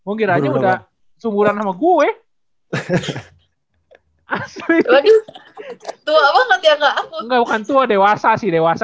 ngira aja udah sumuran sama gue asli tuh enggak tuh dewasa sih dewasa